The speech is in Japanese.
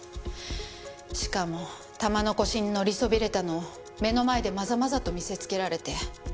しかも玉の輿に乗りそびれたのを目の前でまざまざと見せつけられて。